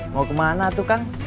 mau ke mana tuh kang